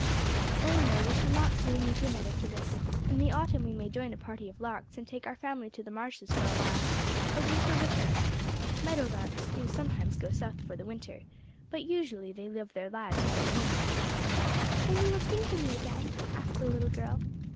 "Oh, no, we shall not soon leave your meadow, Phyllis. In the autumn we may join a party of larks and take our family to the marshes for awhile, but we shall return. Meadow larks do sometimes go south for the winter, but usually they live their lives in their home meadows." "Then you will sing for me again?" asked the little girl.